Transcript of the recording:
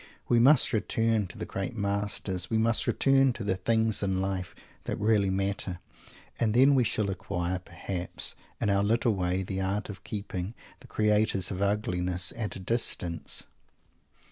We must return to the great masters; we must return to the things in life that really matter; and then we shall acquire, perhaps, in our little way the art of keeping the creators of ugliness at a distance!